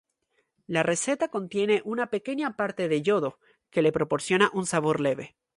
La receta contiene una pequeña parte de yodo, que le proporciona un sabor leve.